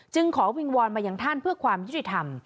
ขอวิงวอนมาอย่างท่านเพื่อความยุติธรรม